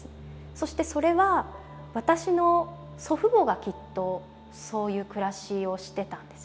そしてそれは私の祖父母がきっとそういう暮らしをしてたんですよね。